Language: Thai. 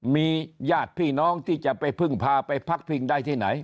มีญาติพี่น้องที่จะไปพึ่งพาไปพักพิงได้ที่ไหน